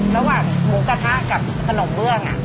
ระหว่างหมูกระทะกับขนมเบื้อง